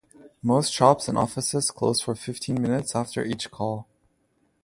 Most shops and offices close for fifteen minutes after each call.